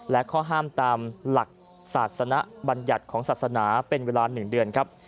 และข้อห้ามตามหลักศาสนบัญญัติของศาสนาเป็นเวลา๑เดือนครับ